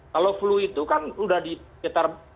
kalau flu itu kan sudah di sekitar